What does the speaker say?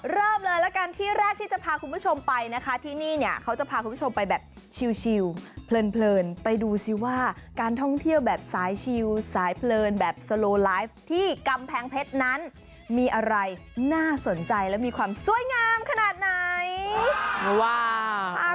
เริ่มเลยละกันที่แรกที่จะพาคุณผู้ชมไปนะคะที่นี่เนี่ยเขาจะพาคุณผู้ชมไปแบบชิลเพลินไปดูสิว่าการท่องเที่ยวแบบสายชิลสายเพลินแบบสโลไลฟ์ที่กำแพงเพชรนั้นมีอะไรน่าสนใจและมีความสวยงามขนาดไหน